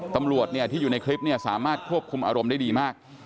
ตำรวจที่อยู่ในคลิปสามารถควบคุมอารมณ์ได้ดีมาก